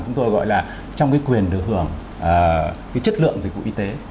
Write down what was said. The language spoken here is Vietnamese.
chúng tôi gọi là trong cái quyền được hưởng cái chất lượng dịch vụ y tế